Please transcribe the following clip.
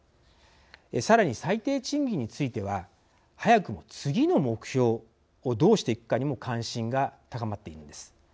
さらに最低賃金については早くも次の目標をどうしていくかにも関心が高まっているんです。